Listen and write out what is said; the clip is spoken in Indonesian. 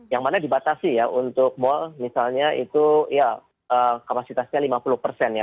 yang mana dibatasi ya untuk mal misalnya itu ya kapasitasnya lima puluh persen ya